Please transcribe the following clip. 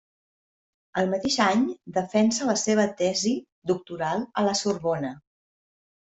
El mateix any defensa la seua tesi doctoral a la Sorbona.